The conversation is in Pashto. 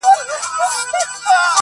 دا رومانتيك احساس دي خوږ دی گراني.